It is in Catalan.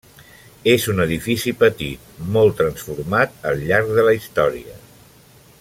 És un edifici petit, molt transformat al llarg de la història.